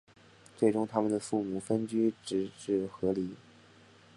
最终他们的父母分居直至和离。